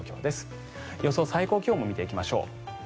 最高気温も見ていきましょう。